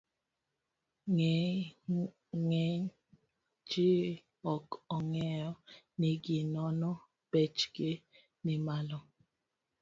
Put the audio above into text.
Ng'eny ji ok ong'eyo ni gi nono bechgi ni malo.